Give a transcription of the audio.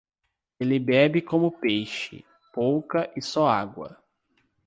Ele bebe como peixe, pouca e só água.